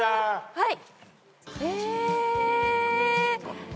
はい。